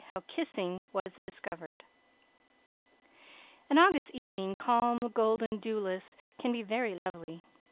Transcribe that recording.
HOW KISSING WAS DISCOVERED An August evening, calm, golden, dewless, can be very lovely.